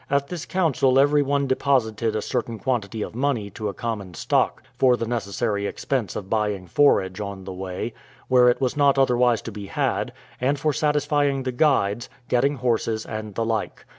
At this council every one deposited a certain quantity of money to a common stock, for the necessary expense of buying forage on the way, where it was not otherwise to be had, and for satisfying the guides, getting horses, and the like.